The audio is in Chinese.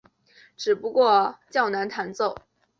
只不过较难弹奏。